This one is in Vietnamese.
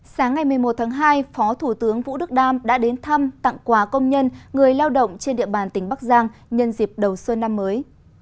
sáng ngày một mươi một tháng hai phó thủ tướng vũ đức đam đã đến thăm tặng quà công nhân người lao động trên địa bàn tỉnh bắc giang nhân dịp đầu xuân năm mới